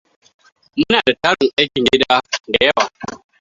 Muna da tarin aikin gida da yawa.